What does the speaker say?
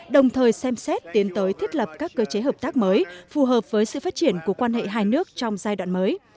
đồng thời xem xét tiến tới thiết lập các cơ chế hợp tác mới phù hợp với sự phát triển của quan hệ hai nước trong giai đoạn mới